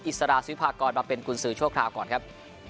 อิสราศิพากรมาเป็นกุญสือชั่วคราวก่อนครับ